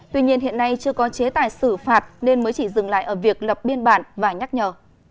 tuy nhiên hiện nay chưa có chế tài xử phạt nên mới chỉ dừng lại ở việc lập biên bản và nhắc nhở